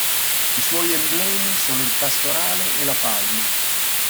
I suoi emblemi sono il pastorale e la palma.